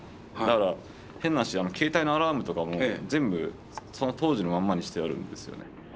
だから変な話携帯のアラームとかも全部その当時のまんまにしてあるんですよね。